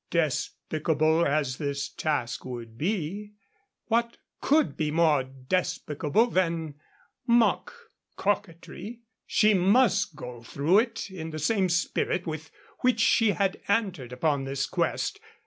Despicable as the task would be (what could be more despicable than mock coquetry?), she must go through it in the same spirit with which she had entered upon this quest.